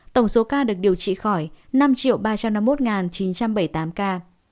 tổng số ca được điều trị khỏi năm ba trăm năm mươi một chín trăm bảy mươi tám ca